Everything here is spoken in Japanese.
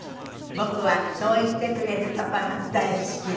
「僕はそう言ってくれるパパが大好きです」